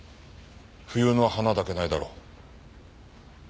冬の花だけないだろう。